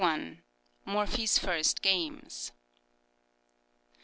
MORPHY'S FIRST GAMES.